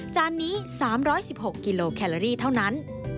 จานนี้๓๑๖กิโลแคลอรี่เท่านั้น